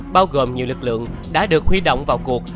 bao gồm nhiều lực lượng đã được huy động vào cuộc